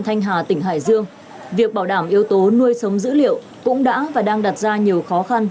thanh hà tỉnh hải dương việc bảo đảm yếu tố nuôi sống dữ liệu cũng đã và đang đặt ra nhiều khó khăn